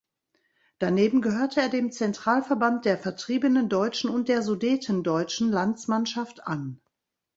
Daneben gehörte er dem Zentralverband der vertriebenen Deutschen und der Sudetendeutschen Landsmannschaft an.